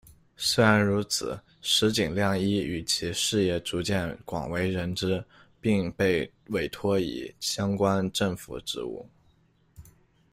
虽然如此，石井亮一与其事业逐渐广为人知，并被委托以相关政府职务。